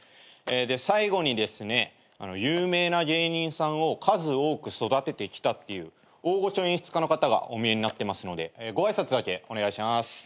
で最後にですね有名な芸人さんを数多く育ててきたっていう大御所演出家の方がおみえになってますのでご挨拶だけお願いします。